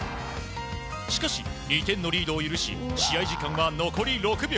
しかし、２点のリードを許し試合時間は残り６秒！